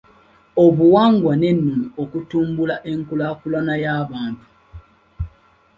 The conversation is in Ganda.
Obuwangwa n’ennono okutumbula enkulaakulana y’abantu.